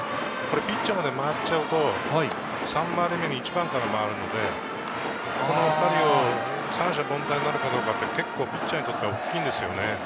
ピッチャーまで回っちゃうと、３回り目に１番から回るので、この２人を三者凡退になるかどうかって、ピッチャーにとって大きいんですよね。